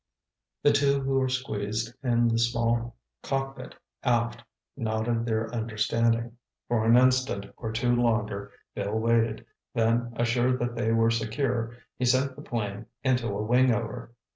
_" The two who were squeezed in the small cockpit aft nodded their understanding. For an instant or two longer Bill waited, then assured that they were secure, he sent the plane into a wingover.